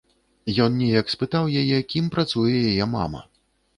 Ён неяк спытаў яе, кім працуе яе мама.